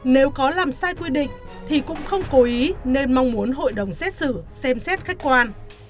nếu có làm sai quy định thì cũng không cố ý nên mong muốn hội đồng xét xử xem xét khách quan